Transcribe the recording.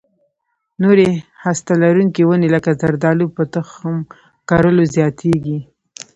نورې هسته لرونکې ونې لکه زردالو په تخم کرلو زیاتېږي.